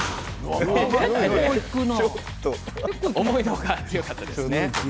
思いのほか強かったですね。